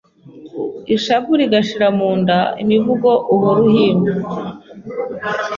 Ishavu rigashira mu nda Imivugo uhora uhimba